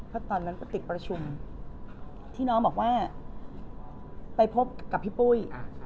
เพราะตอนนั้นก็ติดประชุมที่น้องบอกว่าไปพบกับพี่ปุ้ย